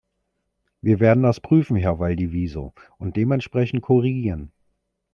Wir werden das prüfen, Herr Valdivielso, und dementsprechend korrigieren.